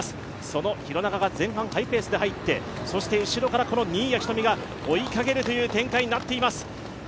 その廣中が前半ハイペースで入って、後ろから新谷仁美が追いかけるという展開になっています。